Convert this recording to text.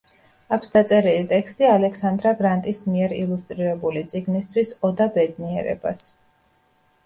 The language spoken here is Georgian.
აქვს დაწერილი ტექსტი ალექსანდრა გრანტის მიერ ილუსტრირებული წიგნისთვის „ოდა ბედნიერებას“.